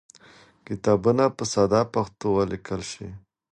کتابونه باید په ساده پښتو ولیکل شي.